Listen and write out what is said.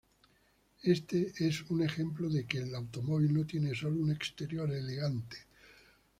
Este es un ejemplo de que el automóvil no tiene sólo un exterior elegante.